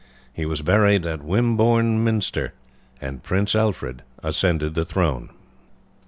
He was buried at Wimbourne Minster, and Prince Alfred ascended the throne.